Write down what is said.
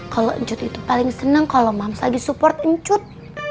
kalo njut itu paling seneng kalo mams lagi support njut